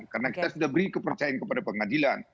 karena kita sudah beri kepercayaan kepada pengadilan